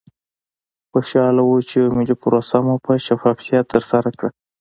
خوشحاله وو چې یوه ملي پروسه مو په شفافیت ترسره کړه.